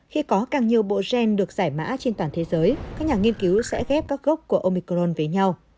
khi có càng nhiều bộ gen được giải mã trên toàn thế giới các nhà nghiên cứu sẽ ghép các gốc của omicron với nhau